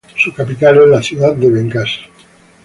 Su capital es la ciudad de Bengasi.